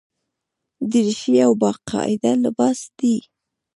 دریشي یو باقاعده لباس دی.